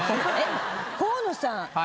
河野さん。